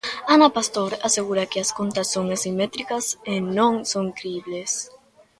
Ana Pastor asegura que as contas son asimétricas e non son cribles.